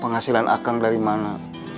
penghasilan akang dari mana